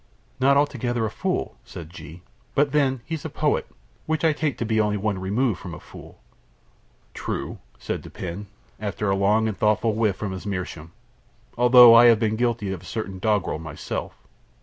"Not altogether a fool," said G ; "but, then, he is a poet, which I take to be only one remove from a fool." "True," said Dupin, after a long and thoughtful whiff from his meerschaum, "although I have been guilty of certain doggrel myself."